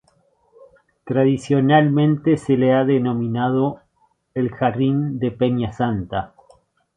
Tradicionalmente se le ha denominado el "Jardín de Peña Santa".